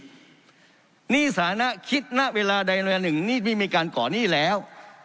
หนี้สาธารณะคิดณเวลาใดหน่อยหนึ่งนี่มีการกรอบหนี้แล้ว